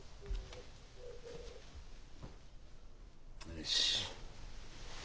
よし。